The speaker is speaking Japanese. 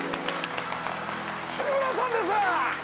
志村さんです。